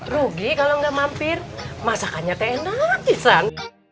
rugi kalau gak mampir masakannya teh enak san